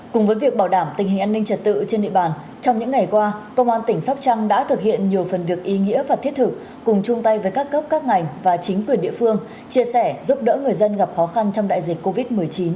cùng với việc bảo đảm tình hình an ninh trật tự trên địa bàn trong những ngày qua công an tỉnh sóc trăng đã thực hiện nhiều phần việc ý nghĩa và thiết thực cùng chung tay với các cấp các ngành và chính quyền địa phương chia sẻ giúp đỡ người dân gặp khó khăn trong đại dịch covid một mươi chín